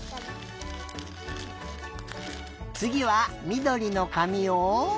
つぎはみどりのかみを。